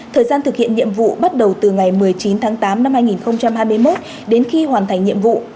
thời gian thực hiện nhiệm vụ bắt đầu từ ngày một mươi chín tháng tám năm hai nghìn hai mươi một đến khi hoàn thành nhiệm vụ